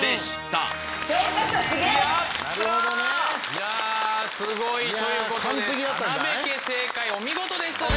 いやすごい。ということで店部家正解お見事でしたね！